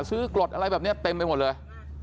กรดอะไรแบบนี้เต็มไปหมดเลย